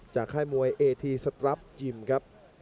ค่ายมวยเอทีสตรับยิมครับ